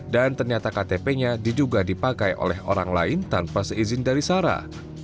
dan ternyata ktp nya juga dipakai oleh orang lain tanpa seizin dari sarah